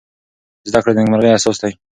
زده کړه د نېکمرغۍ اساس دی.